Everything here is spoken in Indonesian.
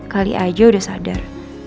kali saja sudah sadar